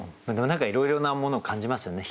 何かいろいろなものを感じますよね。